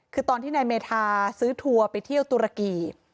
คือตอนที่นายเมธาซื้อทัวร์ไปเที่ยวตุรกี